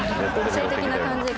性的な感じが。